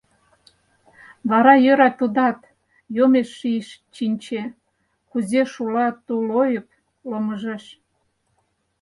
Вара йӧра тудат — йомеш ший чинче, кузе шула тулойып ломыжеш.